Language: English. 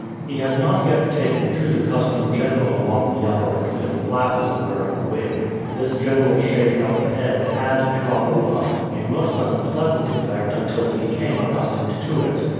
He had not yet taken to the custom general among the upper and middle classes of wearing a wig. This general shaving of the head had, to Amuba, a most unpleasant effect until he became accustomed to it.